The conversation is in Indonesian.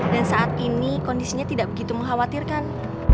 dan saat ini kondisinya tidak begitu mengkhawatirkan